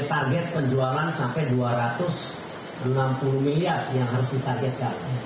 ini target penjualan sampai dua ratus enam puluh miliar yang harus ditargetkan